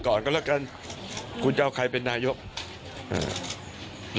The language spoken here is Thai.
ใครที่รวบรวมเสียงไม่ข้างมากไม่เกี่ยวกับว่า